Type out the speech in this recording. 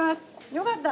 よかった！